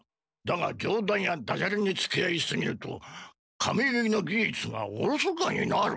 だがじょうだんやダジャレにつきあいすぎると髪結いのぎじゅつがおろそかになる。